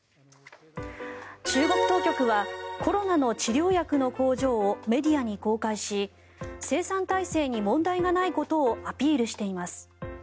中国当局はコロナの治療薬の工場をメディアに公開し生産体制に問題がないことをアピールしています。